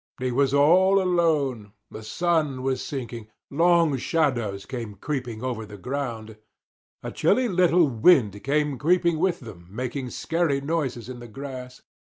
He was all alone. The sun was sinking. Long shadows came creeping over the ground. A chilly little wind came creeping with them making scary noises in the grass.